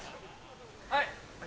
はい。